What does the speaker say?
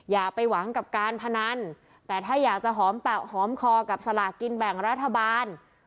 อย่าไปหวังกับการพนันแต่ถ้าอยากจะหอมแปะหอมคอกับสลากินแบ่งรัฐบาล